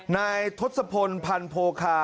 นายทศพลพันโพคา